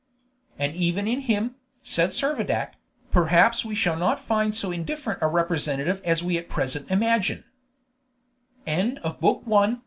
"And even in him," said Servadac, "perhaps we shall not find so indifferent a representative as we at present imagine."